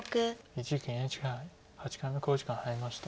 一力ＮＨＫ杯８回目の考慮時間に入りました。